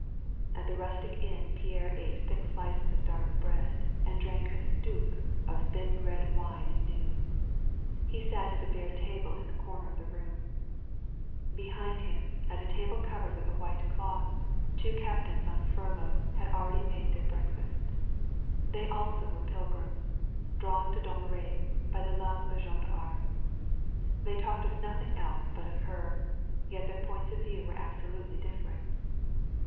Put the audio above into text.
At the rustic inn Pierre ate thick slices of dark bread and drank a stoup of thin red wine at noon. He sat at a bare table in the comer of the room. Behind him» at a table covered with a white cloth, two captains on furlough had already made their breakfast. Th^ also were pilgrims, drawn to Dom remy by the love of Jeanne d'Arc. They talked of nothing else but of her. Yet their points of view were absolutely different.